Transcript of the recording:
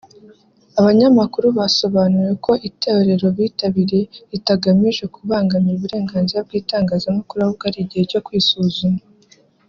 Abanyamakuru basobanuriwe ko itorero bitabiriye ritagamije kubangamira uburenganzira bw’itangazamakuru ahubwo ari igihe cyo kwisuzuma